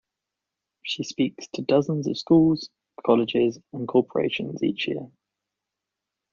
She speaks to dozens of schools, colleges and corporations each year.